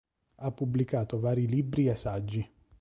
Ha pubblicato vari libri e saggi.